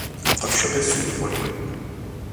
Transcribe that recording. قاشق سوپخوری